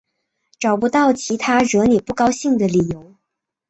找不到其他惹你不高兴的理由